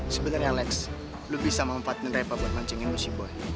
sebenernya lex lo bisa mempatahkan reva buat mancing emosi gue